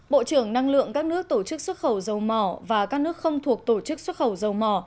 bộ trưởng năng lượng các nước tổ chức xuất khẩu dầu mỏ và các nước không thuộc tổ chức xuất khẩu dầu mỏ